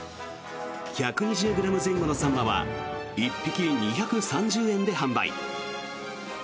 １２０ｇ前後のサンマは１匹２３０円で販売。